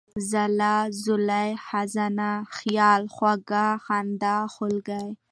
ځلا ، ځولۍ ، خزانه ، خياله ، خوږه ، خندا ، خولگۍ ،